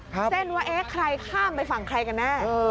เส้นว่าเอ๊ะใครข้ามไปฝั่งใครกันแน่